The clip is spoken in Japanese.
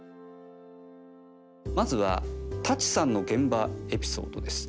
まずは舘さんの現場エピソードです。